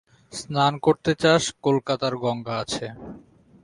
স্নান করতে চাস কলকাতার গঙ্গা আছে।